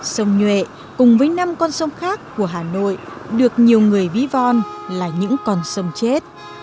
sông nhuệ cùng với năm con sông khác của hà nội được nhiều người ví von là những con sông chết